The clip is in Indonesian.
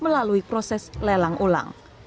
melalui proses lelang ulang